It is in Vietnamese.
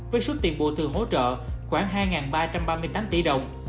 với suất tiền bùa thường hỗ trợ khoảng hai ba trăm ba mươi tám tỷ đồng